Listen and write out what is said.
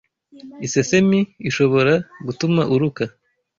isesemi ishobora gutuma uruka